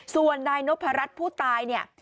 ส่วนนายนพรัชผู้ตายเนี่ย